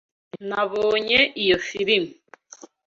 Nabonye iyo firime.